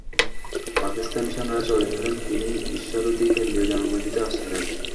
পাকিস্তানি সেনারা চলে গেলে তিনি ঈশ্বরদী কেন্দ্রীয় জামে মসজিদে আশ্রয় নেন।